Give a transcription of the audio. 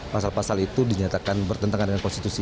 pasal pasal itu dinyatakan bertentangan dengan konstitusi